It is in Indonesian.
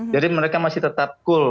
jadi mereka masih tetap cool